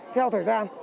theo thời gian